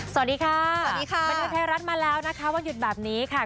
สวัสดีค่ะสวัสดีค่ะบันเทิงไทยรัฐมาแล้วนะคะวันหยุดแบบนี้ค่ะ